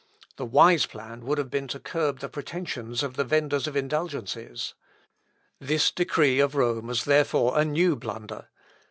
The wise plan would have been to curb the pretensions of the venders of indulgences. This decree of Rome was therefore a new blunder.